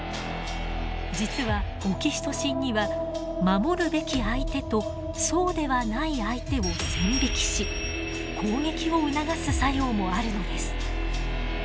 実はオキシトシンには守るべき相手とそうではない相手を線引きし攻撃を促す作用もあるのです。